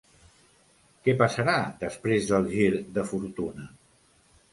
Què passarà després del gir de fortuna?